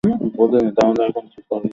তাহলে, এখন কী করবে?